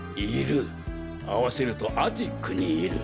合わせると「アティックにいる」。